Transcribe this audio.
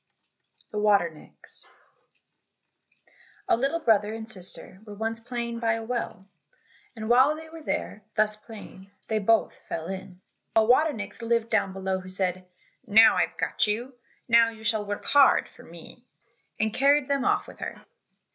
79 The Water Nix A little brother and sister were once playing by a well, and while they were thus playing, they both fell in. A water nix lived down below, who said, "Now I have got you, now you shall work hard for me!" and carried them off with her.